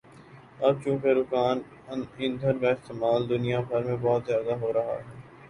اب چونکہ رکازی ایندھن کا استعمال دنیا بھر میں بہت زیادہ ہورہا ہے